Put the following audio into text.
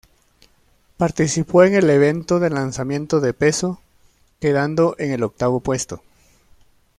Participó en el evento de lanzamiento de peso, quedando en el octavo puesto.